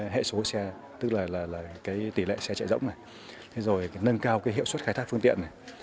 hệ số xe tức là tỷ lệ xe chạy rỗng nâng cao hiệu suất khai thác phương tiện